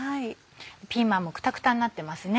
ピーマンもクタクタになってますね。